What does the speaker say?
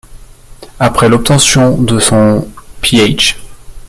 Après l'obtention de son Ph.